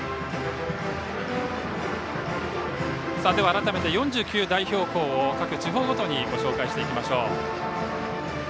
改めて４９代表校を各地方ごとにご紹介していきましょう。